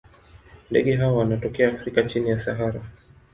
Ndege hawa wanatokea Afrika chini ya Sahara.